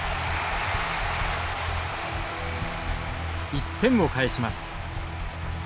１点を返します。